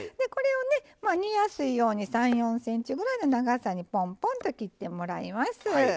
これをね煮やすいように３４ｃｍぐらいの長さにポンポンと切ってもらいます。